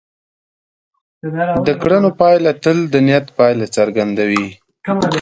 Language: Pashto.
د کړنو پایله تل د نیت پایله څرګندوي.